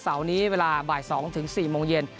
เสาร์นี้เวลาบ่าย๒๔โมงเย็น